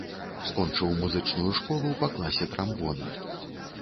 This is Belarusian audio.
Скончыў музычную школу па класе трамбона.